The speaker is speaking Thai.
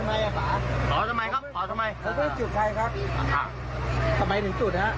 ไม่ใช่ไฟทำไมน่ะพา